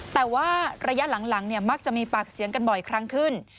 แต่ว่าระยะหลังมักจะมีปากเสียงกันบ่อยครั้งขึ้น